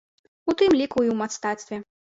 У тым ліку і ў мастацтве.